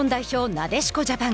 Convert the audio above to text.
なでしこジャパン。